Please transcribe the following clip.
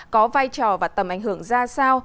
có vai trò và tầm ảnh hưởng ra sao